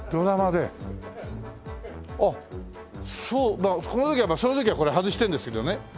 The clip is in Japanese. だからこの時はその時はこれ外してるんですけどね。